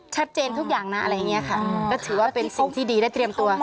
ที่ดินอะไรต่างเนอะให้เล่าอย่างงี้ต่อ